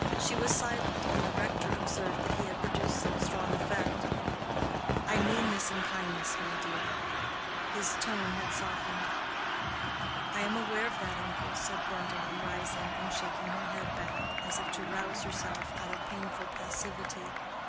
She was silent, and the rector observed that he had produced some strong effect. "I mean this in kindness, my dear." His tone had softened. "I am aware of that, uncle," said Gwendolen, rising and shaking her head back, as if to rouse herself out of painful passivity.